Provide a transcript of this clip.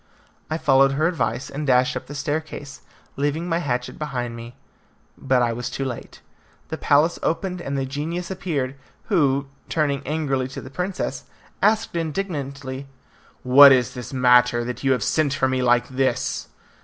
I followed her advice and dashed up the staircase, leaving my hatchet behind me. But I was too late. The palace opened and the genius appeared, who, turning angrily to the princess, asked indignantly, "What is the matter, that you have sent for me like this?"